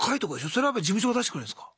それは事務所が出してくれるんすか？